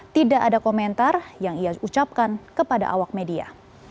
tidak ada komentar yang ia ucapkan kepada awak media